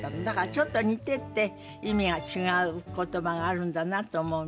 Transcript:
だからちょっと似てて意味が違う言葉があるんだなと。